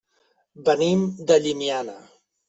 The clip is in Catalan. Venim de Llimiana.